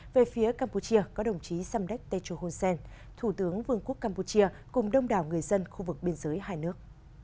về phía campuchia có đồng chí samdek techo hunsen thủ tướng vương quốc campuchia cùng đông đảo người dân khu vực biên giới hai nước